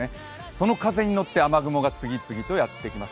その風に乗って雨雲が次々とやってきます